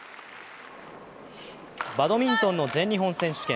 バドミントンの全日本選手権。